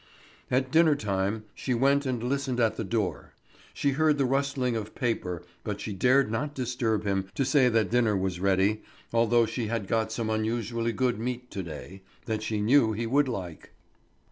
At dinner time she went and listened at his door. She heard the rustling of paper, but she dared not disturb him to say that dinner was ready, although she had got some unusually good meat to day, that she knew he would like.